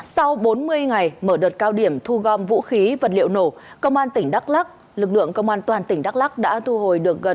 sau bốn mươi ngày mở đợt cao điểm thu gom vũ khí vật liệu nổ công an tỉnh đắk lắc lực lượng công an toàn tỉnh đắk lắc đã thu hồi được gần bốn sáu trăm linh